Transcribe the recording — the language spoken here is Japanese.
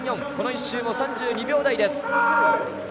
この１周も３２秒台です。